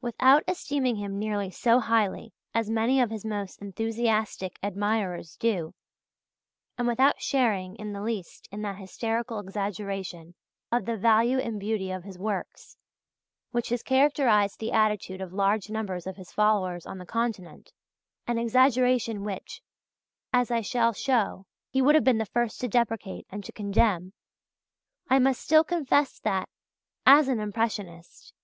Without esteeming him nearly so highly as many of his most enthusiastic admirers do, and without sharing in the least in that hysterical exaggeration of the value and beauty of his works which has characterized the attitude of large numbers of his followers on the Continent an exaggeration which, as I shall show, he would have been the first to deprecate and to condemn I must still confess that, as an impressionist, _i.